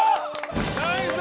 ナイス！